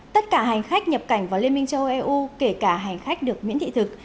tất cả hành khách nhập cảnh vào liên minh châu âu eu kể cả hành khách được miễn thị thực